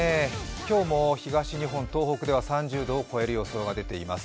今日も東日本、東北では、３０度を超える予想が出ています。